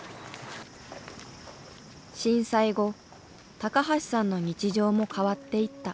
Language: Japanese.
震災後橋さんの日常も変わっていった。